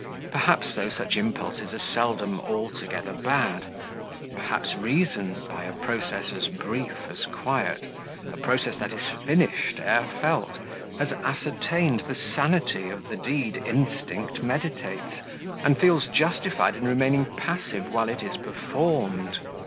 Perhaps, though, such impulses are seldom altogether bad; perhaps Reason, by a process as brief as quiet, a process that is finished ere felt, has ascertained the sanity of the deed. Instinct meditates, and feels justified in remaining passive while it is performed.